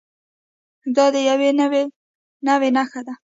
دا د یوې نوعې نښه ده.